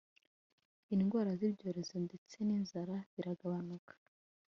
indwara z’ ibyorezo ndetse n’ inzara biragabanuka